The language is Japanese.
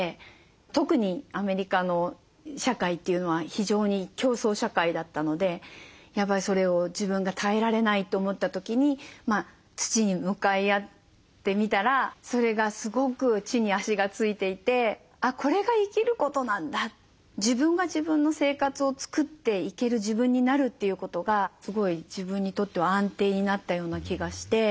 特にアメリカの社会というのは非常に競争社会だったのでやっぱりそれを自分が耐えられないと思った時に土に向かい合ってみたらそれがすごく地に足がついていてあっこれが生きることなんだ自分が自分の生活を作っていける自分になるということがすごい自分にとっては安定になったような気がして。